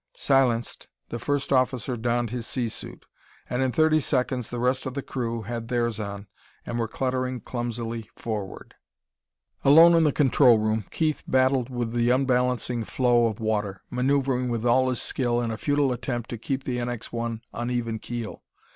Silenced, the first officer donned his sea suit, and in thirty seconds the rest of the crew had theirs on and were cluttering clumsily forward. Alone in the control room, Keith battled with the unbalancing flow of water, maneuvering with all his skill in a futile attempt to keep the NX 1 on even keel.